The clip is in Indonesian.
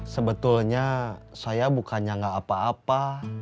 sebetulnya saya bukannya nggak apa apa